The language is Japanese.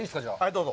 どうぞ。